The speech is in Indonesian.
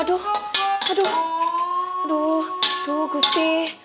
aduh aduh aduh aduh gusti